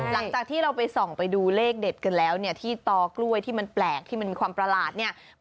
หลังจากที่เราไปส่องไปดูเลขเด็ดกันแล้วเนี่ยที่ตอกล้วยที่มันแปลกที่มันมีความประหลาดเนี่ย